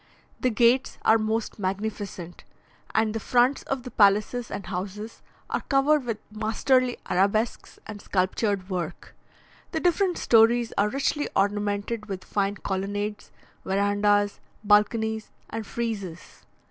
The gates are most magnificent, and the fronts of the palaces and houses are covered with masterly arabesques and sculptured work; the different stories are richly ornamented with fine colonnades, verandahs, balconies, and friezes.